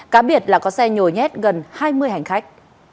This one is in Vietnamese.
cá biệt là có xe nhồi nhét gần hai mươi hành khách